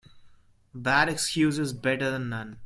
A bad excuse is better then none.